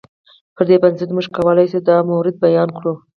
پر دې بنسټ موږ کولی شو دا موارد بیان کړو.